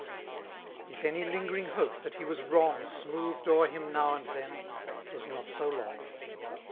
k ^ 91 If any lingering hoi^ that he was "Wlong, Smoothed o'er him now and then; 'twas not »o long.